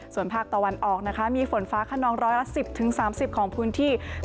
ส่วนภาคตะวันออกนะคะมีฝนฟ้าคนองร้อยละสิบถึง๓๐องศาเซลเซียสค่ะ